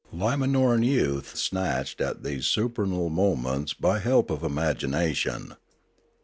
Limanoran youth snatched at these supernal moments by the help of imagination.